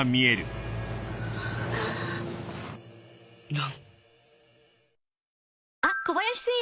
蘭